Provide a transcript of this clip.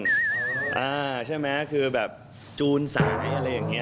อัพเครื่องใช่ไหมคือแบบจูนสายอะไรอย่างนี้